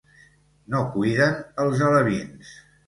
No cuiden els alevins.